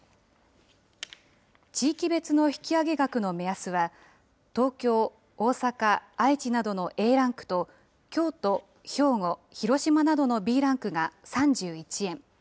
地域別の引き上げ額の目安は、東京、大阪、愛知などのＡランクと、京都、兵庫、広島などのＢランクが３１円。